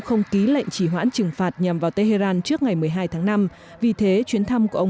không ký lệnh chỉ hoãn trừng phạt nhằm vào tehran trước ngày một mươi hai tháng năm vì thế chuyến thăm của ông